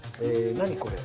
何これ？